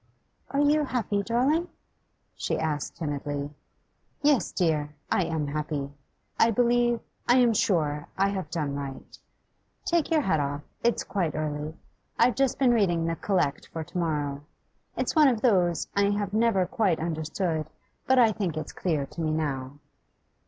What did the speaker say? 'Are you happy, darling?' she asked timidly. 'Yes, dear, I am happy. I believe, I am sure, I have done right. Take your hat off; it's quite early. I've just been reading the collect for to morrow. It's one of those I have never quite understood, but I think it's clear to me now.